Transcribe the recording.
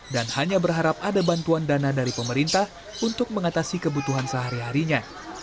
dan hanya berharap ada bantuan dana dari pemerintah untuk mengatasi kebutuhan sehari harinya